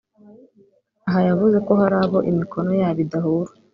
Aha yavuze ko hari abo imikono yabo idahura